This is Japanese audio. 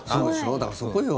だからそこよ。